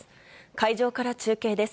会場から中継です。